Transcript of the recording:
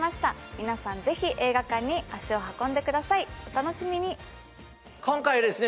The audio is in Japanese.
みなさん是非映画館に足を運んでくださいお楽しみに今回ですね